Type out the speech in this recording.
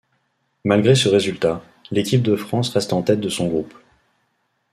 Malgré ce résultat, l'équipe de France reste en tête de son groupe.